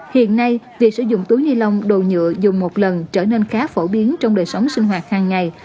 hiện nay việc sử dụng túi ni lông đồ nhựa dùng một lần trở nên khá phổ biến trong đời sống sinh hoạt hàng ngày